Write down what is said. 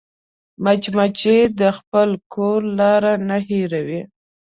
مچمچۍ د خپل کور لار نه هېروي